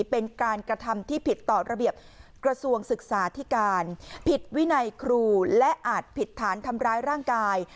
เป็นการกระทำที่ผิดต่อระเบียบกระทรวงศึกษาธิการผิดวินัยครูและอาจผิดฐานทำร้ายร่างกาย